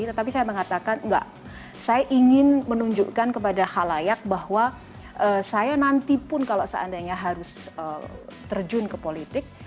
tetapi saya mengatakan enggak saya ingin menunjukkan kepada halayak bahwa saya nanti pun kalau seandainya harus terjun ke politik